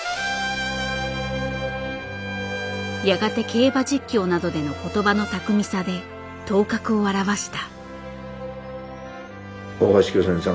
やがて競馬実況などでの言葉の巧みさで頭角を現した。